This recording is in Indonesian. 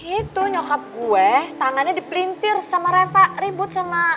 itu nyokap gue tangannya dipelintir sama reva ribut sama